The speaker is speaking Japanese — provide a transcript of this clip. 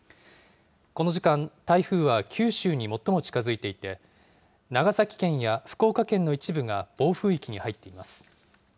この時間、台風は九州に最も近づいていて、長崎県や福岡県の一部が暴風域に入っています。